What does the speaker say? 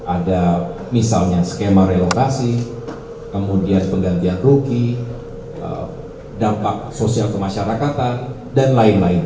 ada misalnya skema relokasi kemudian penggantian ruki dampak sosial kemasyarakatan dan lain lain